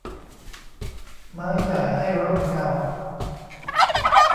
ไม้ใหญ่ให้ร่มเงา